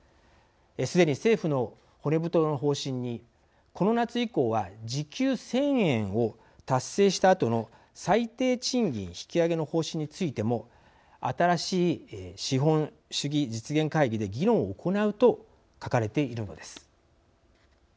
すでに政府の骨太の方針にこの夏以降は時給１，０００円を達成したあとの最低賃金引き上げの方針についても新しい資本主義実現会議で議論を行うと書かれているのです。